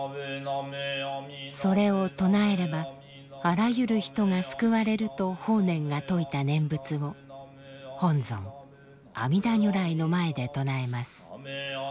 それを唱えればあらゆる人が救われると法然が説いた念仏を本尊阿弥陀如来の前で唱えます。